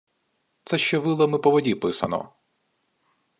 Це ще вилами по воді писано.